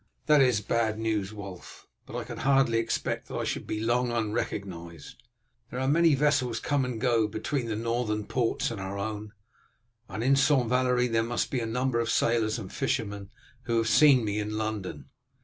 "That is bad news, Wulf; but I could hardly expect that I should be long unrecognized. There are many vessels come and go between the northern ports and our own, and in St. Valery there must be numbers of sailors and fishermen who have seen me in London.